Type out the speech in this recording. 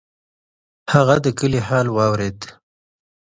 هغه د کلي حال واورېد.